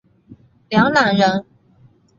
梁览人。